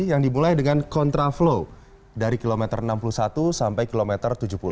yang dimulai dengan kontraflow dari kilometer enam puluh satu sampai kilometer tujuh puluh